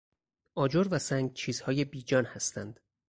آجر و سنگ چیزهای بی جان هستند.